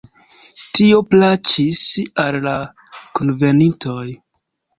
Tio plaĉis al la kunvenintoj.